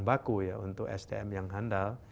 baku ya untuk sdm yang handal